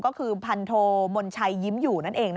ก็คือพันโทมนชัยยิ้มอยู่นั่นเอง